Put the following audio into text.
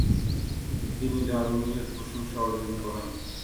তিনি ডারউইনের প্রশংসা অর্জন করেন।